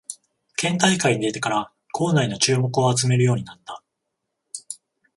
県大会に出てから校内の注目を集めるようになった